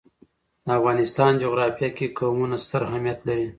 د افغانستان جغرافیه کې قومونه ستر اهمیت لري.